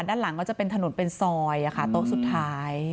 ด้านหลังก็จะเป็นถนนเป็นซอยโต๊ะสุดท้าย